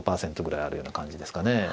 ５５％ぐらいあるような感じですかね。